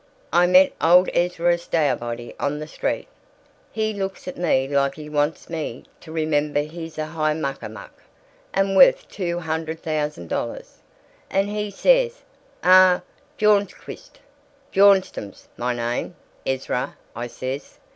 "I meet old Ezra Stowbody on the street. He looks at me like he wants me to remember he's a highmuckamuck and worth two hundred thousand dollars, and he says, 'Uh, Bjornquist ' "'Bjornstam's my name, Ezra,' I says.